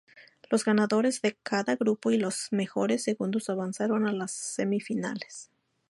Los ganadores de cada grupo y los mejores segundos avanzaron a las semifinales.